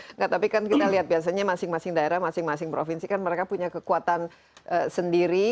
enggak tapi kan kita lihat biasanya masing masing daerah masing masing provinsi kan mereka punya kekuatan sendiri